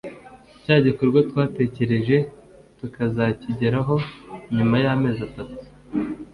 cya gikorwa twatekereje tukazakigeraho nyuma y' amezi atatu